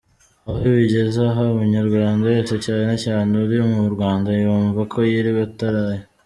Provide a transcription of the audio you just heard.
Aho bigeze aha, umunyarwanda wese cyane cyane uri mu Rwanda, yumva ko yiriwe ataraye!